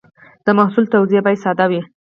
د محصول توضیح باید ساده وي.